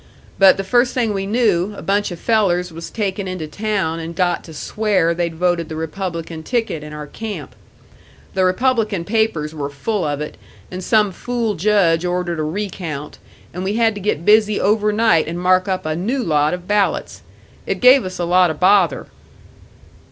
But the first thing we knew, a bunch of fellers was taken into town and got to swear they'd voted the Republican ticket in our camp. The Republican papers were full of it, and some fool judge ordered a recount, and we had to get busy over night and mark up a new lot of ballots. It gave us a lot of bother!"